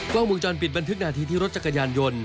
กล้องวงจรปิดบันทึกนาทีที่รถจักรยานยนต์